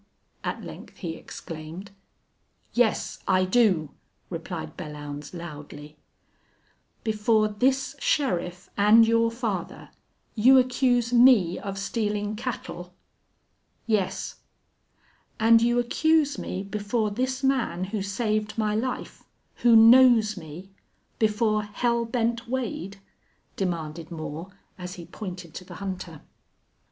at length he exclaimed. "Yes, I do," replied Belllounds, loudly. "Before this sheriff and your father you accuse me of stealing cattle?" "Yes." "And you accuse me before this man who saved my life, who knows me before Hell Bent Wade?" demanded Moore, as he pointed to the hunter.